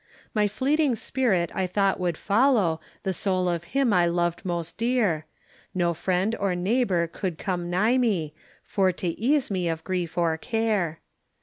My fleeting spirit I thought would follow The soul of him I lov'd most dear, No friend or neighbour would come nigh me, For to ease me of grief or care.